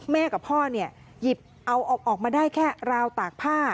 กับพ่อเนี่ยหยิบเอาออกมาได้แค่ราวตากผ้า